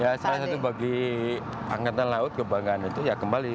ya salah satu bagi angkatan laut kebanggaan itu ya kembali